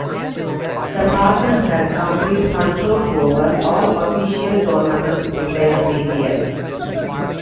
The Partner has complete control over all official tournaments in their region.